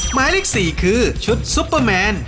หมายเลข๔คือชุดซุปเปอร์แมน